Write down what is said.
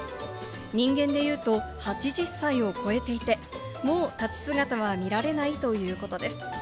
人間でいうと８０歳を超えていて、もう立ち姿は見られないということです。